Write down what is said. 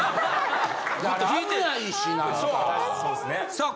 ・さあ